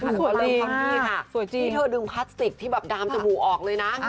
สวยจริงสวยจริงแล้วก็เรียกว่าพี่ค่ะที่เธอดึงพลาสติกที่แบบดามจมูกออกเลยนะ